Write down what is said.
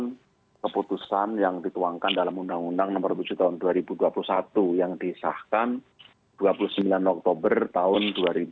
dengan keputusan yang dituangkan dalam undang undang nomor tujuh tahun dua ribu dua puluh satu yang disahkan dua puluh sembilan oktober tahun dua ribu dua puluh